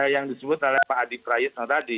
yang disebut oleh pak adi prayitno tadi